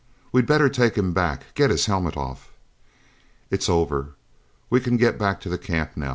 We'd better take him back: get his helmet off." "It's over. We can get back to the camp now.